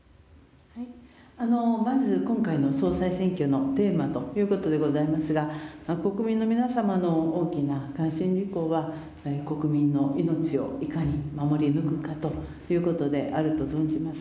まず今回の総裁選挙のテーマということでございますが、国民の皆様の大きな関心事項は、国民の命をいかに守り抜くかということであると存じます。